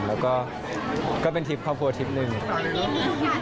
แล้วก็ก็เป็นทริปครอบครัวทริปหนึ่ง